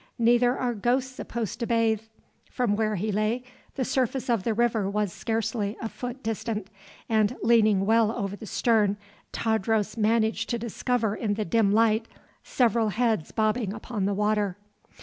Neither are ghosts supposed to bathe. From where he lay, the surface of the river was scarcely a foot distant, and, leaning well over the stern, Tadros managed to discover in the dim light several heads bobbing upon the water.